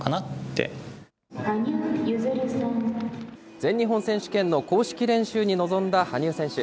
全日本選手権の公式練習に臨んだ羽生選手。